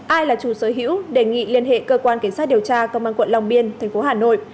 ai là chủ sở hữu đề nghị liên hệ cơ quan cảnh sát điều tra công an quận long biên thành phố hà nội